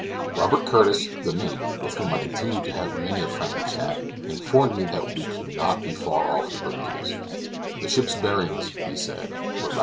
Robert Curtis, the mate, with whom I continue to have many a friendly chat, informed me that we could not be far off the Bermudas; the ship's bearings, he said, were lat.